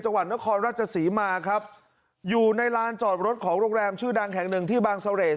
จังหวัดนครราชศรีมาครับอยู่ในลานจอดรถของโรงแรมชื่อดังแห่งหนึ่งที่บางเสร่